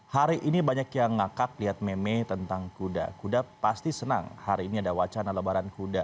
hari ini banyak yang ngakak lihat meme tentang kuda kuda pasti senang hari ini ada wacana lebaran kuda